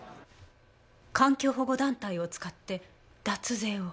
環境保護団体を使って脱税を？